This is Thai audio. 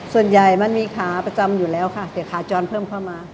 ส่วนใหญ่มันมีขาประจำอยู่แล้วค่ะแต่ขาจรเพิ่มเข้ามา